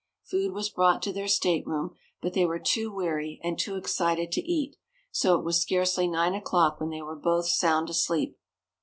Food was brought to their stateroom, but they were too weary and too excited to eat, so it was scarcely nine o'clock when they were both sound asleep.